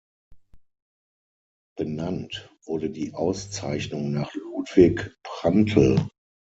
Benannt wurde die Auszeichnung nach Ludwig Prandtl.